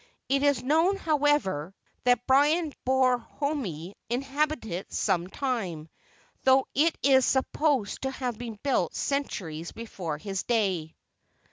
It is known, however, that Brian Borrhoime inhabited it some time, though it is supposed to have been built centuries before his day."